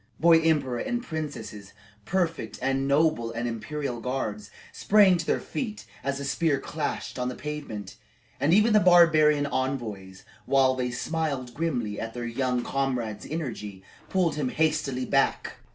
Boy emperor and princesses, prefect and nobles and imperial guards, sprang to their feet as the spear clashed on the pavement, and even the barbarian envoys, while they smiled grimly at their young comrade's energy, pulled him hastily back.